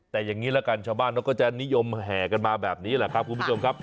แต่อย่างนี้ละกันชาวบ้านเขาก็จะนิยมแห่กันมาแบบนี้แหละครับคุณผู้ชมครับ